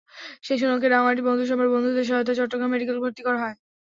সেই সুমনাকে রাঙামাটি বন্ধুসভার বন্ধুদের সহায়তায় চট্টগ্রাম মেডিকেলে ভর্তি করা হয়।